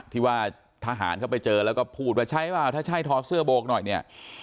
ที่ว่าทหารเข้าไปเจอแล้วก็พูดว่าใช่เปล่าถ้าใช่ถอดเสื้อโบกหน่อยเนี่ย